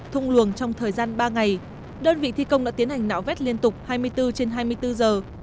thùng luồng trong thời gian ba ngày đơn vị thi công đã tiến hành nạo vét liên tục hai mươi bốn trên hai mươi bốn giờ